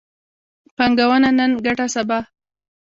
پانګونه نن، ګټه سبا